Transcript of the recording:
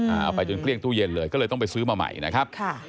เอาไปจนเกลี้ยงตู้เย็นเลยก็เลยต้องไปซื้อมาใหม่นะครับค่ะ